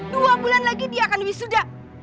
dua bulan lagi dia akan wisuda